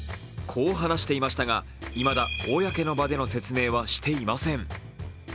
こう話していましたが、いまだ公の場での説明はしていません。